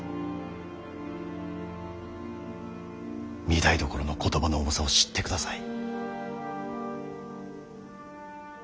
御台所の言葉の重さを知ってください。